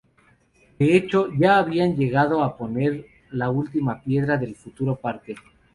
De hecho ya habían llegado a poner la primera piedra del futuro parque.